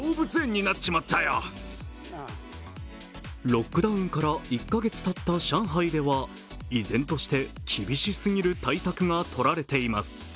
ロックダウンから１カ月たった上海では依然として厳しすぎる対策が取られています。